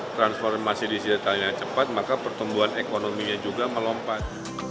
transformasi digitalnya cepat maka pertumbuhan ekonominya juga melompat